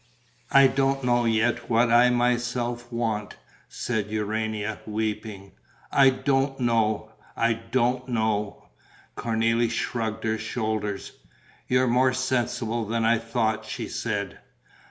"I don't know yet what I myself want," said Urania, weeping. "I don't know, I don't know." Cornélie shrugged her shoulders: "You're more sensible than I thought," she said.